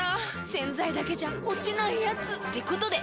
⁉洗剤だけじゃ落ちないヤツってことで。